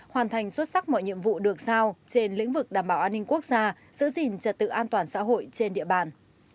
hoàn thành xuất sắc mọi nhiệm vụ được sao trên lĩnh vực đảm bảo an ninh quốc gia giữ gìn trật tự an toàn xã hội trên địa bàn